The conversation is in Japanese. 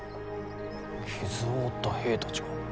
傷を負った兵たちが？